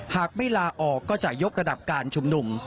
หากไม่ลาออกก็จะยกระดับการชุมนุม